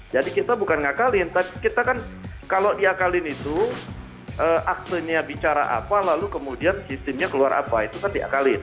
jadi kita bukan ngakalin tapi kita kan kalau diakalin itu aktanya bicara apa lalu kemudian sistemnya keluar apa itu kan diakalin